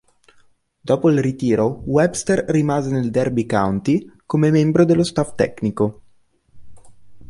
Dopo il ritiro Webster rimase nel Derby County come membro dello staff tecnico.